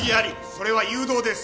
それは誘導です。